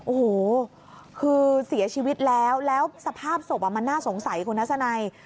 โอ้โหคือเสียชีวิตแล้วแล้วสภาพศพมันน่าสงสัยคุณทัศนัย